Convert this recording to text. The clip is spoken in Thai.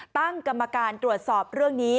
ตั้งกรรมการตรวจสอบเรื่องนี้